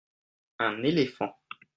un éléphant.